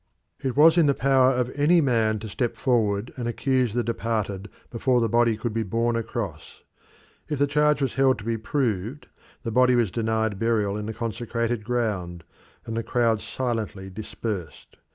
It was in the power of any man to step forward and accuse the departed before the body could be borne across. If the charge was held to be proved, the body was denied burial in the consecrated ground, and the crowd silently dispersed.